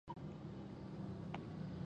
ملنگ ، مين ، مينه گل ، مينه ناک ، مينه پال